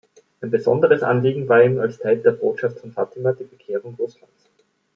Ein besonderes Anliegen war ihm als Teil der „Botschaft von Fatima“ die Bekehrung Russlands.